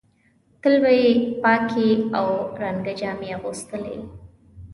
تل به یې پاکې او رنګه جامې اغوستلې.